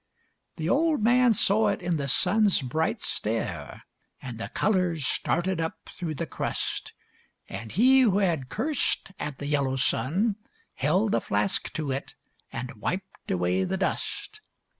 The old man saw it in the sun's bright stare And the colours started up through the crust, And he who had cursed at the yellow sun Held the flask to it and wiped away the dust.